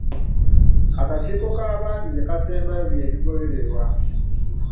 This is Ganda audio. Akakiiko akaabangi bye kaasemba bye bigobererwa.